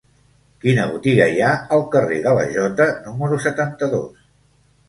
Quina botiga hi ha al carrer de la Jota número setanta-dos?